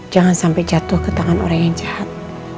jangan sampai jatuh ke tangan orang yang jahat